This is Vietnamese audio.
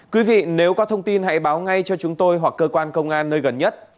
quý vị nếu có thông tin hãy báo ngay cho chúng tôi hoặc cơ quan công an nơi gần nhất